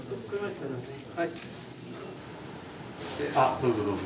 どうぞどうぞ。